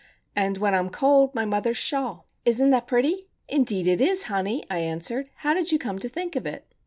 And when I'm cold my mother's shawl." "Isn't that pretty?" "Indeed it is, honey," I answered. "How did you come to think of it?"